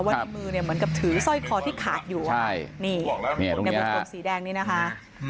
ในมือเนี่ยเหมือนกับถือสร้อยคอที่ขาดอยู่ใช่นี่ในวงกลมสีแดงนี้นะคะ